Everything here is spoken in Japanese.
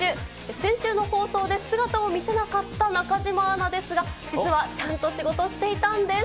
先週の放送で姿を見せなかった中島アナですが、実は、ちゃんと仕事していたんです。